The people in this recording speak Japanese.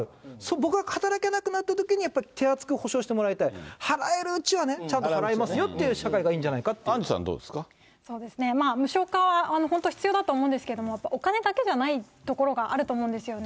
僕が働けなくなったときに手厚く保障してもらいたい、払えるうちはちゃんと払いますよという社会がいいんじゃないかとアンジュさん、まあ、無償化、本当に必要だと思うんですけれども、お金だけじゃないがあると思うんですよね。